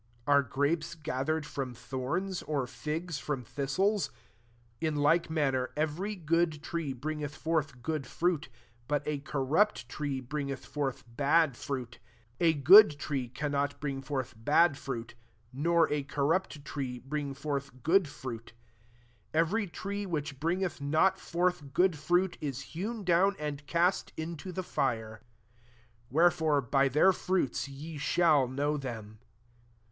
Are grapes gathered from thorns; or figs from thistles? 17 In like manner every good tree bringeth forth good fruit ; but a corrupt tree bringeth forth bad fruit. 18 A good tree can not bring forth bad fruit; nor a corrupt tree bring forth good fruit 19 Every tree which bring eth not forth good fruit, is hewn down and cast into the fire* 20 lilArPHEW VIII. Whsntote bf ^eir fruits ye alieil loiow them.